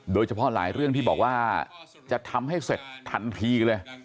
โดยเฉพาะหลายเรื่องที่บอกว่าจะทำให้เสร็จทันทีเลย